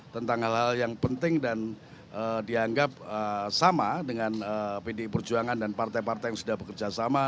tentang hal hal yang penting dan dianggap sama dengan pdi perjuangan dan partai partai yang sudah bekerja sama